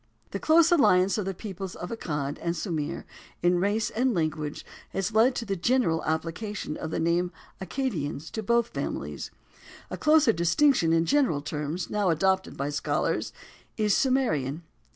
The close alliance of the peoples of Accad and Sumir in race and language has led to the general application of the name of Accadians to both families. A closer distinction in general terms now adopted by scholars is Sumerian.